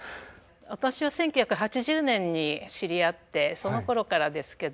私は１９８０年に知り合ってそのころからですけど。